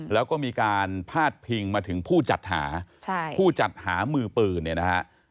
แล้วก็มีการพาดพิงมาถึงผู้จัดหาผู้จัดหามือปืนเนี่ยนะฮะ